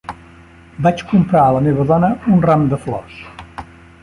Vaig comprar a la meva dona un ram de flors.